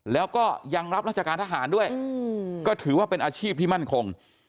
แล้วก็ยังรับราชการทหารด้วยก็ถือว่าเป็นอาชีพที่มั่นคง